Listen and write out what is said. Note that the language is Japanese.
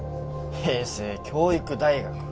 平成教育大学